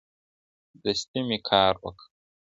دستي مي کار وکړ.